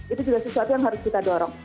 itu juga sesuatu yang harus kita dorong